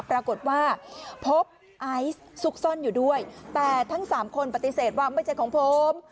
ปรากฏว่าพบไอซ์ซุกซ่อนอยู่ด้วยแต่ทั้งสามคนปฏิเสธว่าไม่ใช่ของผม